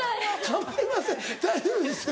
構いません大丈夫ですよ。